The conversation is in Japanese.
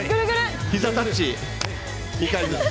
膝タッチ２回ずつ。